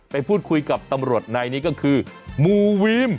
ไปพูดคุยกับตำรวจในนี้ก็คือมูวีม